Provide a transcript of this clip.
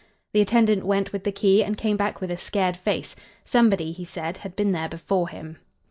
The attendant went with the key and came back with a scared face. Somebody, he said, had been there before him.